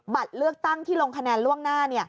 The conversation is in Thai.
บัตรเลือกตั้งที่ลงคะแนนล่วงหน้า